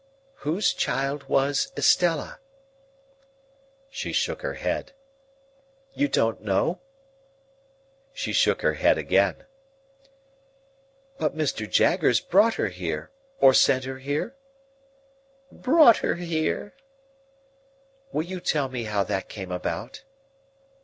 "Whose child was Estella?" She shook her head. "You don't know?" She shook her head again. "But Mr. Jaggers brought her here, or sent her here?" "Brought her here." "Will you tell me how that came about?"